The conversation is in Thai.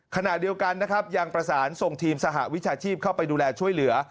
ขณะเดียวกันนะครับยังประสานส่งทีมสหวิชาชีพเข้าไปดูแลช่วยเหลือ